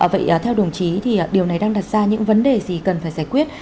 vậy theo đồng chí thì điều này đang đặt ra những vấn đề gì cần phải giải quyết